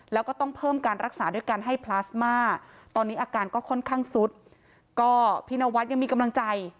แล้วก็ต้องเพิ่มการรักษาด้วยการให้พลาสมา